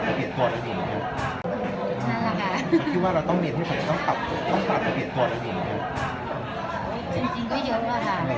จริงก็เยอะกว่าแหละ